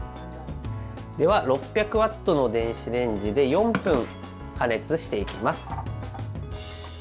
では６００ワットの電子レンジで４分加熱していきます。